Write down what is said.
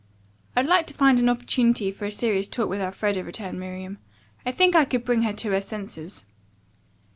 "I'd like to find an opportunity for a serious talk with Elfreda," returned Miriam. "I think I could bring her to her senses.